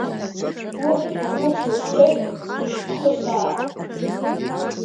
Урҭқәа хәыцуа сцоит сышьҭхысаа.